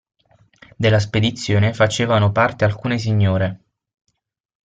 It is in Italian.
Della spedizione facevano parte alcune signore.